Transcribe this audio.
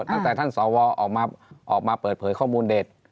ตั้งแต่ท่านสวออกมาเปิดเผยข้อมูลเด็ด